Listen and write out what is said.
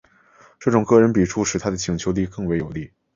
这种个人笔触使他的请求更为有力。